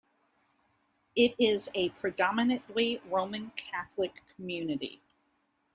It is a predominantly Roman Catholic Community.